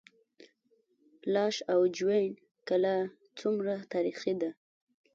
لاش او جوین کلا څومره تاریخي ده؟